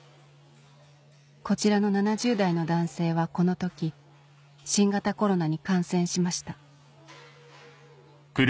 こちらの７０代の男性はこの時新型コロナに感染しました